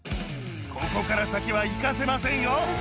ここから先は行かせませんよ！